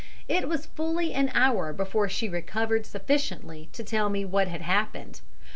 It was fully an hour before she recovered sufficiently to tell me what had happened.